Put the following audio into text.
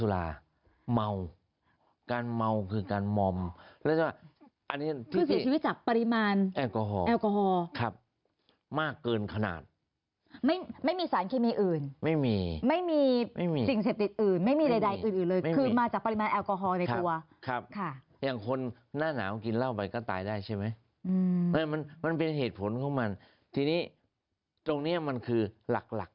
แล้วเขาก็มีสมาชิกของเขาสมาชิกเขาก็เป็นร้อยนะครับ